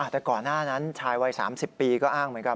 แต่ก่อนหน้านั้นชายวัย๓๐ปีก็อ้างเหมือนกัน